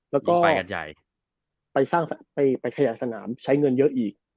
แล้วก็ไปขยายสนามใช้เงินเยอะอีก